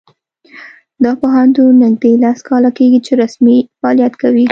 دا پوهنتون نږدې لس کاله کیږي چې رسمي فعالیت کوي